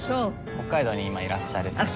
北海道に今いらっしゃる先生です。